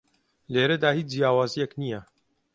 لێرەدا هیچ جیاوازییەک نییە